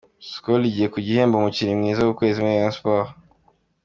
Skol igiye kujya ihemba umukinnyi mwiza w’ukwezi muri Rayon Sports .